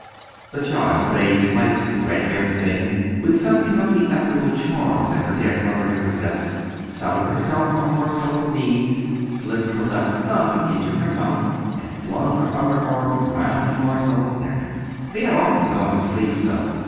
The child, a slight, red haired thing, with something of the ethereal charm that her dead brother had possessed, settled herself on Marcella's knees, slipped her left thumb into her mouth, and flung her other arm round Marcella's neck. They had often gone to sleep so.